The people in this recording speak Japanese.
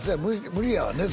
無理やわ